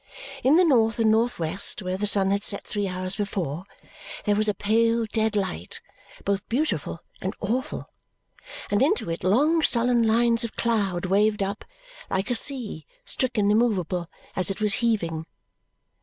In the north and north west, where the sun had set three hours before, there was a pale dead light both beautiful and awful; and into it long sullen lines of cloud waved up like a sea stricken immovable as it was heaving.